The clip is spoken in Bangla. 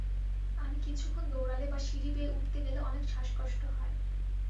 আমি কিছুক্ষণ দৌড়ালে বা সিঁড়ি বেয়ে উঠতে গেলে অনেক শ্বাসকষ্ট হয়।